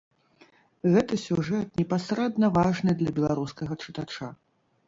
Гэты сюжэт непасрэдна важны для беларускага чытача.